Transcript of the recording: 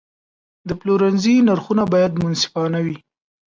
د پلورنځي نرخونه باید منصفانه وي.